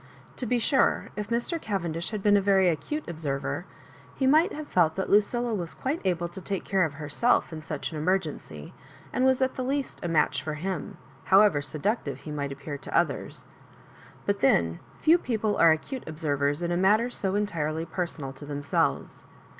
To be sure^ if Mr. Cav endish had been a very acute observer, he might have felt that Lucilla was quite able to take care of herself in such an emergency, and was at the least a match for him, however seductive he might appear to others ; but then, few people are acute observers in a matter so entirely personal to themselves.